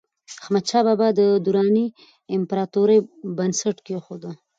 احمدشاه بابا د دراني امپراتورۍ بنسټ کېښود.